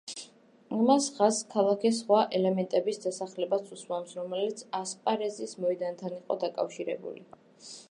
ამას ხაზს ქალაქის სხვა ელემენტების დასახელებაც უსვამს, რომელიც ასპარეზის მოედანთან იყო დაკავშირებული.